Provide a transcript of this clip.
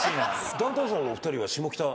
ダウンタウンさんのお２人は。